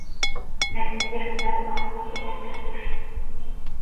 هذه رسالة محبوب إليك سرى